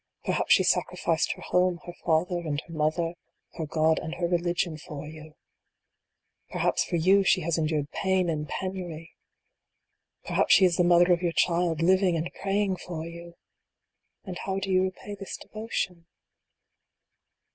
Perhaps she sacrificed her home, her father and her mother her God and her religion for you ! Perhaps for you she has endured pain and penury ! Perhaps she is the mother of your child, living and praying for you J And how do you repay this devotion